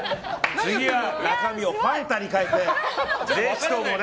次は中身をファンタに変えてぜひともね。